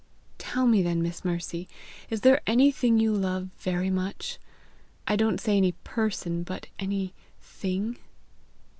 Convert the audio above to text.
"Tell me then, Miss Mercy, is there anything you love very much? I don't say any PERSON, but any THING."